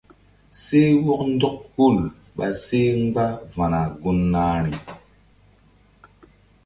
Seh wɔk ndɔk hul ɓa seh mgba va̧na gun nahi.